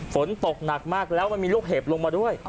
ฝนตกหนักมากแล้วมันมีลูกเห็บลงมาด้วย